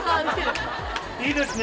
いいですね。